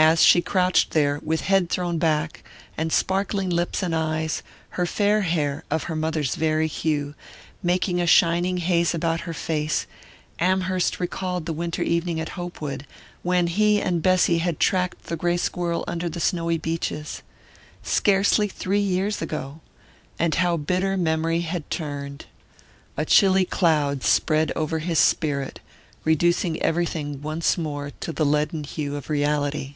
As she crouched there, with head thrown back, and sparkling lips and eyes, her fair hair of her mother's very hue making a shining haze about her face, Amherst recalled the winter evening at Hopewood, when he and Bessy had tracked the grey squirrel under the snowy beeches. Scarcely three years ago and how bitter memory had turned! A chilly cloud spread over his spirit, reducing everything once more to the leaden hue of reality....